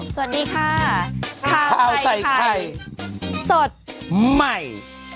สวัสดีค่ะข้าวใส่ไข่สดใหม่